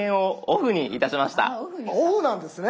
あっオフなんですね。